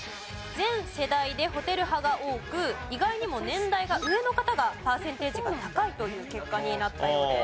全世代でホテル派が多く意外にも年代が上の方がパーセンテージが高いという結果になったようです。